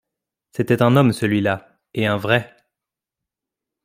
C’était un homme celui-là, et un vrai!